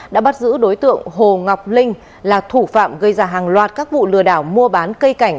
đã bắt giữ đối tượng hồ ngọc linh là thủ phạm gây ra hàng loạt các vụ lừa đảo mua bán cây cảnh